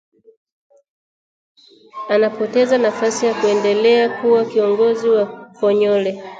Anapoteza nafasi ya kuendelea kuwa kiongozi wa Konyole